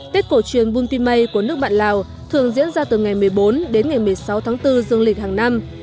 tết cổ truyền vun tim may của nước bạn lào thường diễn ra từ ngày một mươi bốn đến ngày một mươi sáu tháng bốn dương lịch hàng năm